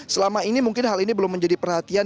selama ini mungkin hal ini belum menjadi perhatian